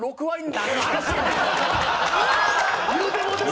６割？